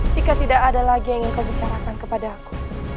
jika tidak ada lagi yang ingin kau bicarakan kepada aku